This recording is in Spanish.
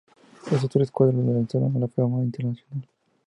Estos tres cuadros le lanzaron a la fama internacional.